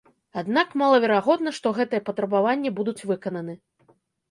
Аднак малаверагодна, што гэтыя патрабаванні будуць выкананы.